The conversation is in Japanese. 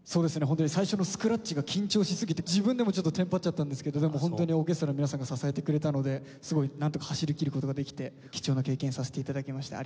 ホントに最初のスクラッチが緊張しすぎて自分でもちょっとテンパっちゃったんですけどでもホントにオーケストラの皆さんが支えてくれたのですごいなんとか走りきる事ができて貴重な経験させて頂きました。